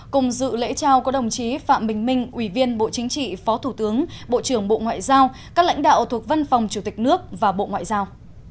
cùng dự lễ trao có đồng chí phạm bình minh ủy viên bộ chính trị phó thủ tướng bộ trưởng bộ ngoại giao các lãnh đạo thuộc văn phòng chủ tịch nước và bộ ngoại giao